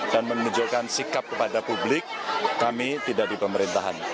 dan menunjukkan sikap kepada publik kami tidak di pemerintahan